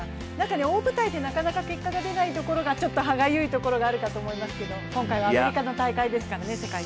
大舞台でなかなか結果が出ないところがちょっと歯がゆいところがありますけど今回はアメリカの大会ですからね。